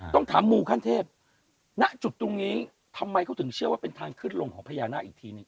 ต้องถามมูขั้นเทพณจุดตรงนี้ทำไมเขาถึงเชื่อว่าเป็นทางขึ้นลงของพญานาคอีกทีหนึ่ง